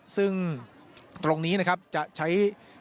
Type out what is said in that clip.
ซึ่งตรงนี้นะครับจะใช้